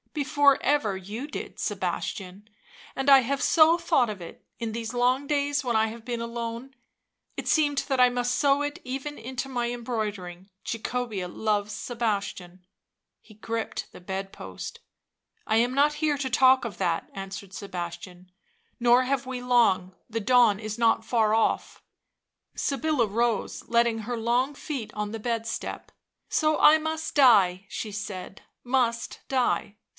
" Before ever you did, Sebastian, and I have so thought of it, in these long days when I have been alone, it seemed that I must sew it even into my embroideries —' Jacobea loves Sebastian.' " He gripped the bed post. " I am not here to talk of that," answered Sebastian; "nor have we long — the dawn is not far off." Sybilla rose, setting her long feet on the bed step. " So I must die," she said —" must die.